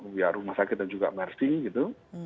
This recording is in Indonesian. pihak rumah sakit dan juga nursing gitu